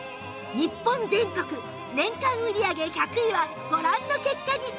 日本全国年間売り上げ１００位はご覧の結果に